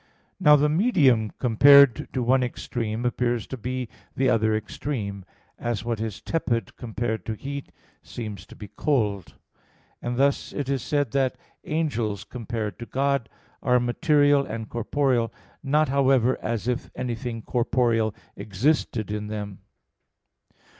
Now the medium compared to one extreme appears to be the other extreme, as what is tepid compared to heat seems to be cold; and thus it is said that angels, compared to God, are material and corporeal, not, however, as if anything corporeal existed in them.